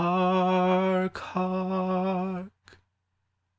Hark, hark !